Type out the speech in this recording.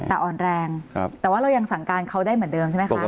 แต่อ่อนแรงแต่ว่าเรายังสั่งการเขาได้เหมือนเดิมใช่ไหมคะ